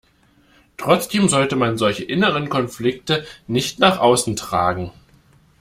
Trotzdem sollte man solche inneren Konflikte nicht nach außen tragen.